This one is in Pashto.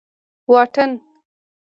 واټن